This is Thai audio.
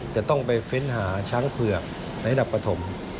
จะต้องไปเฟ้นหาช้างเผือกในระดับปฐม